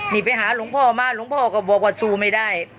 นี่ไปหาหลวงพ่อมาหลวงพ่อก็บอกว่าสู้ไม่ได้